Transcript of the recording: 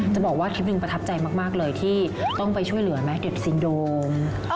จะบอกว่าคลิปหนึ่งประทับใจมากเลยที่ต้องไปช่วยเหลือไหมเก็บซีนโดม